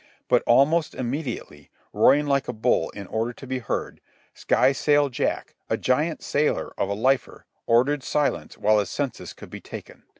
But, almost immediately, roaring like a bull in order to be heard, Skysail Jack, a giant sailor of a lifer, ordered silence while a census could be taken.